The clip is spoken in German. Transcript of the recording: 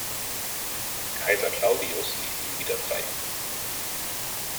Kaiser Claudius ließ ihn wieder frei.